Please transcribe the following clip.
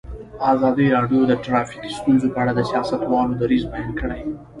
ازادي راډیو د ټرافیکي ستونزې په اړه د سیاستوالو دریځ بیان کړی.